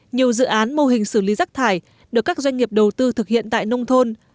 nhiều dự án mô hình xử lý rác thải được các doanh nghiệp đầu tư thực hiện tại nông thôn